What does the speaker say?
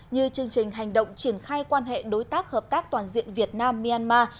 như chương trình hành động triển khai quan hệ đối tác hợp tác toàn diện việt nam myanmar